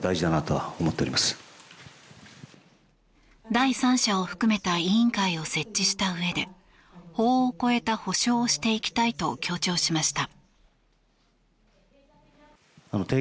第三者を含めた委員会を設置したうえで法を超えた補償をしていきたいと強調しました。